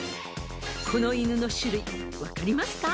［この犬の種類分かりますか？］